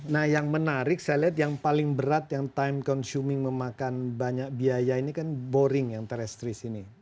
nah yang menarik saya lihat yang paling berat yang time consuming memakan banyak biaya ini kan boring yang terestries ini